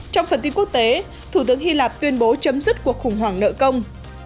trong phần tin quốc tế thủ tướng hy lạp tuyên bố chấm dứt cuộc khủng hoảng nợ công